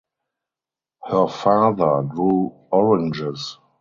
Her father grew oranges.